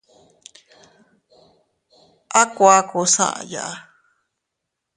A kuakus aʼaya.